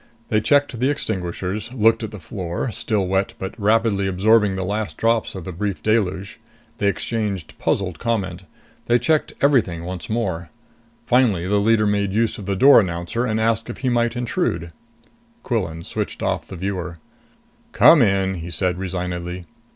They checked the extinguishers, looked at the floor, still wet but rapidly absorbing the last drops of the brief deluge. They exchanged puzzled comment. They checked everything once more. Finally the leader made use of the door announcer and asked if he might intrude. Quillan switched off the viewer. "Come in," he said resignedly.